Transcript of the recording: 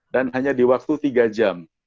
dan hanya di waktu tiga jam